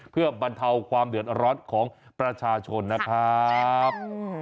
เพื่อบรรเทาความเดือดร้อนของประชาชนนะครับ